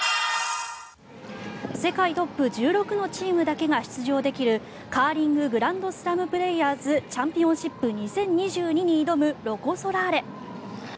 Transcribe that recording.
世界トップ１６のチームだけが出場できるカーリンググランドスラムプレイヤーズチャンピオンシップ２０２２に挑むロコ・ソラーレ。